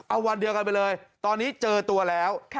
เอาวันเดียวกันไปเลยตอนนี้เจอตัวแล้ว